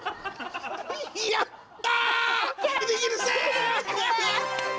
やった！